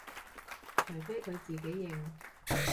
除非佢自己認